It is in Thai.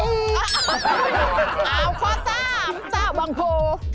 เอาข้อ๓สาวบางโพ